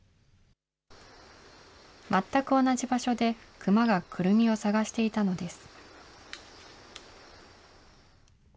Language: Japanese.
全く同じ場所で、クマがクルミを探していたのです。